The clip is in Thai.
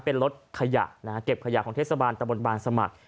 เป็นรถขยะนะฮะเก็บขยะของเทศบาลตะบนบานสมัคร